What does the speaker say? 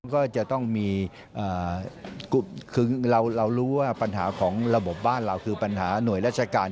ก็จะต้องมีคือเรารู้ว่าปัญหาของระบบบ้านเราคือปัญหาหน่วยราชการ